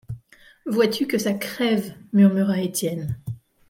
Vois-tu que ça crève! murmura Étienne.